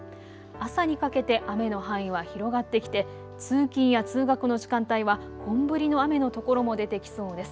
朝にかけて雨の範囲は広がってきて通勤や通学の時間帯は本降りの雨の所も出てきそうです。